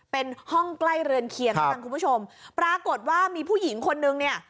เป็นห้องใกล้เรือนเคียงแล้วกันคุณผู้ชมปรากฏว่ามีผู้หญิงคนนึงเนี่ย